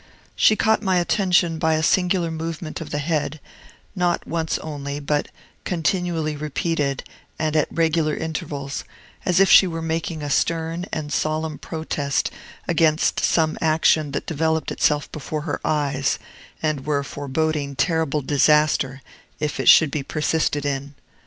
She caught my attention by a singular movement of the head, not once only, but continually repeated, and at regular intervals, as if she were making a stern and solemn protest against some action that developed itself before her eyes, and were foreboding terrible disaster, if it should be persisted in.